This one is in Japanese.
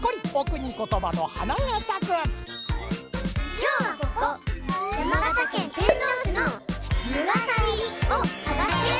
・きょうはここ山形県天童市の「むがさり」をさがして。